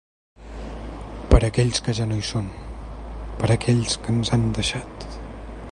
Per aquells que ja no hi són, per aquells que ens han deixat.